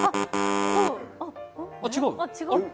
違う？